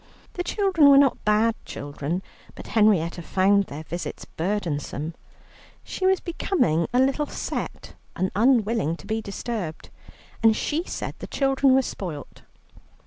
The children were not bad children, but Henrietta found their visits burdensome. She was becoming a little set and unwilling to be disturbed, and she said the children were spoilt.